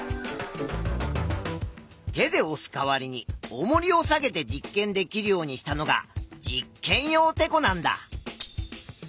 手でおす代わりにおもりを下げて実験できるようにしたのが実験用てこなんだ。